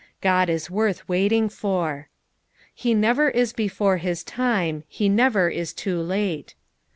God is worth waiting for. " He never is before his time, he never is too late.''